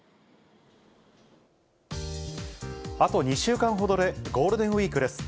あと２週間ほどでゴールデンウィークです。